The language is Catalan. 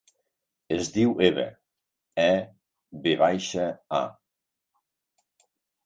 Es diu Eva: e, ve baixa, a.